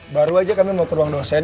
baru aja kami mau ke ruang dosen